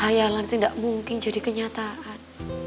hayalan sih tidak mungkin jadi kenyataan